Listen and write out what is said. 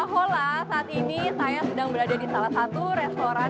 hola saat ini saya sedang berada di salah satu restoran